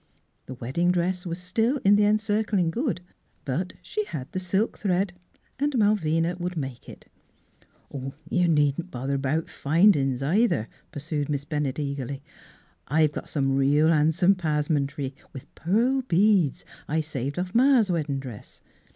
The wedding dress was still in the Encir cling Good, but she had the silk thread, and Malvina would make it. Miss Fhilura's Wedding Gown " You needn't bother about findln's either," pursued Miss Bennett eagerly. " I've got some real han'some paz'mentry, with pearl beads I saved bfF ma's weddin' dress.